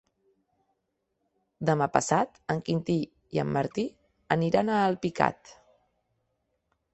Demà passat en Quintí i en Martí aniran a Alpicat.